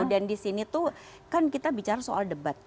dan di sini tuh kan kita bicara soal debat